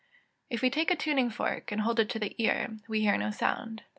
_ If we take a tuning fork, and hold it to the ear, we hear no sound.